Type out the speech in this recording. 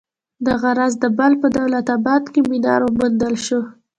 دغه راز د بلخ په دولت اباد کې منار وموندل شو.